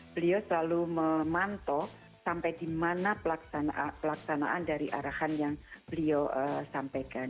beliau selalu memantau sampai di mana pelaksanaan dari arahan yang beliau sampaikan